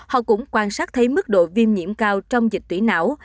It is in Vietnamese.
họ cũng quan sát thấy mức độ viêm nhiễm cao trong dịch tễ não